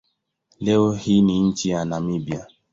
Leo hii ni nchi ya Namibia.